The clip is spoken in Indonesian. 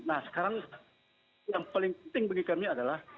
nah sekarang yang paling penting bagi kami adalah